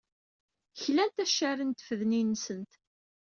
Klant accaren n tfednin-nsent.